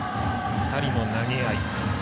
２人の投げ合い。